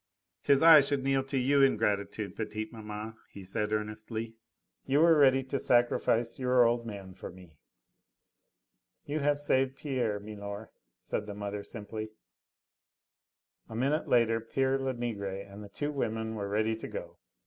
"'Tis I should kneel to you in gratitude, petite maman," he said earnestly, "you were ready to sacrifice your old man for me." "You have saved Pierre, milor," said the mother simply. A minute later pere Lenegre and the two women were ready to go.